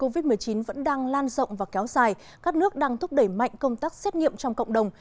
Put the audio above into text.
trong bối cảnh dịch covid một mươi chín vẫn đang lan rộng và kéo dài các nước đang thúc đẩy mạnh công tác xét nghiệm trong cộng đồng